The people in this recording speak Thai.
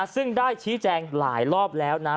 ซึ่งได้ชี้แจงหลายรอบแล้วนะ